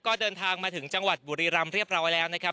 ก็เดินทางมาถึงจังหวัดบุรีรำเรียบร้อยแล้วนะครับ